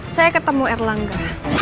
saya ketemu erlangga